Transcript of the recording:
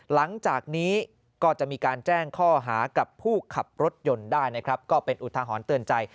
หลังจากนี้ก็จะมีการแจ้งข้อหากับผู้ขับรถยนต์ได้นะครับก็เป็นอุทหรณ์เตือนใจ